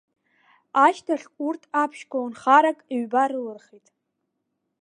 Ашьҭахь урҭ аԥшьколнхарак ҩба рылырхит.